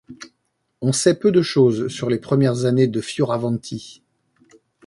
On sait peu de choses sur les premières années de Fioravanti.